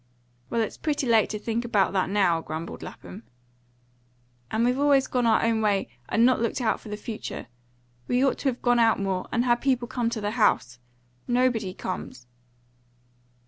"Well, it's pretty late to think about that now," grumbled Lapham. "And we've always gone our own way, and not looked out for the future. We ought to have gone out more, and had people come to the house. Nobody comes."